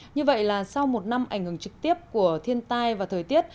như vậy là sau một năm ảnh hưởng trực tiếp của thiên tai và thời tiết